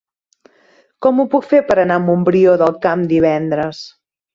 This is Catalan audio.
Com ho puc fer per anar a Montbrió del Camp divendres?